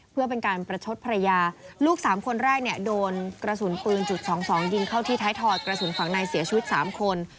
เพื่อเป็นการประชดภรรยาลูกสามคนแรกเนี่ยโดนกระสุนปืนจุดสองสองยิงเข้าที่ท้ายถอยกระสุนฝั่งในเสียชีวิต๓คน